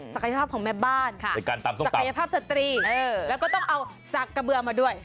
ศักยภาพของแม่บ้านในการศักยภาพสตรีแล้วก็ต้องเอาสักกระเบือมาด้วย